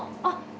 あっ！